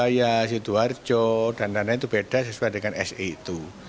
misalnya surabaya situarjo dan lain lain itu beda sesuai dengan se itu